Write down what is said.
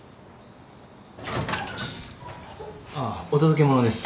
あっお届け物です。